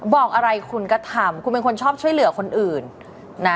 บอกอะไรคุณก็ทำคุณเป็นคนชอบช่วยเหลือคนอื่นนะ